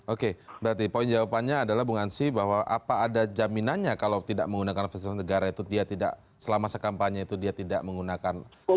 oke berarti poin jawabannya adalah bung ansi bahwa apa ada jaminannya kalau tidak menggunakan fasilitas negara itu dia tidak selama sekampanya itu dia tidak menggunakan